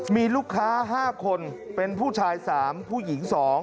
มีลูกค้า๕คนเป็นผู้ชาย๓ผู้หญิง๒